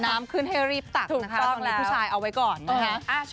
น้ำขึ้นให้รีบตักนะคะก็ต้องมีผู้ชายเอาไว้ก่อนนะคะ